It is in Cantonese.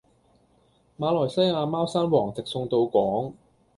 馬來西亞貓山王直送到港